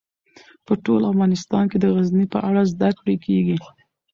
په ټول افغانستان کې د غزني په اړه زده کړه کېږي.